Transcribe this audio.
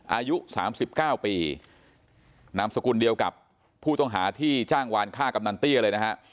อายุ๓๙ปีนามสกุลเดียวกับผู้ต้องหาที่จ้างวานฆ่ากำนันเตี้ยเลยนะฮะ